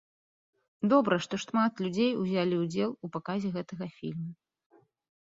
Добра, што шмат людзей узялі ўдзел у паказе гэтага фільму.